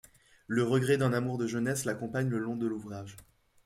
Le regret d'un amour de jeunesse l'accompagne le long de l'ouvrage.